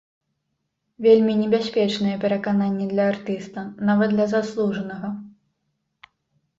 Вельмі небяспечнае перакананне для артыста, нават для заслужанага.